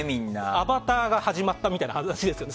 「アバター」が始まったみたいな話ですよね。